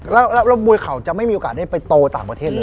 แล้วมวยเขาจะไม่มีโอกาสได้ไปโตต่างประเทศเลย